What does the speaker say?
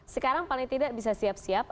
sekarang paling tidak bisa siap siap